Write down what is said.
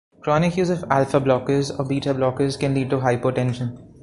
Chronic use of alpha blockers or beta blockers can lead to hypotension.